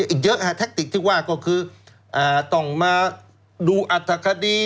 อีกเยอะแท็กติกที่ว่าก็คือต้องมาดูอัฐคดี